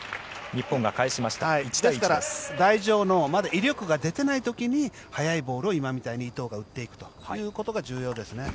台上のまだ威力が出ていない時に速いボールを今みたいに伊藤が打っていくことが重要ですね。